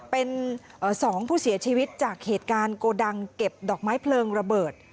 เป็น๒ผู้เสียชีวิตจากเหตุการณ์โกดังเก็บดอกไม้เพลิงระเบิด